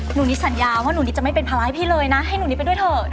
หนูนิดสัญญาว่าหนูนิดจะไม่เป็นภาระให้พี่เลยนะให้หนูนิดไปด้วยเถอะ